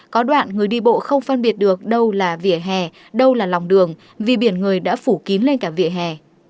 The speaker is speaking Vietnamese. có đoạn người đi bộ không phân biệt được đâu là vỉa hè đâu là lòng đường vì biển người đã phủ kín lên cả vỉa hè